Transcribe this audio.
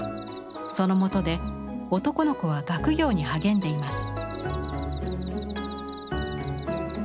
そのもとで男の子は学業に励んでいます。